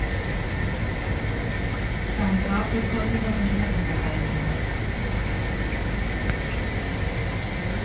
Sein Grab wird noch heute in Ehren gehalten.